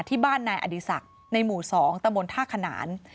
ที่บ้านนายอดีศักดิ์ในหมู่๒ตะบนท่าขนาน